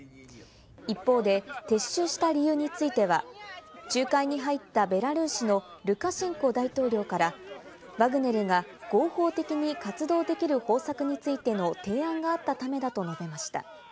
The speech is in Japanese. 一方で撤収した理由については、仲介に入ったベラルーシのルカシェンコ大統領からワグネルが合法的に活動できる方策についての提案があったためだと述べました。